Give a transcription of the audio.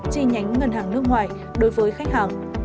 chi nhánh ngân hàng nước ngoài đối với khách hàng